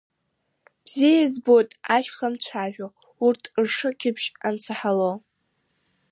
Бзиа избоит ашьха анцәажәо, урҭ ршыкьыбжь ансаҳало.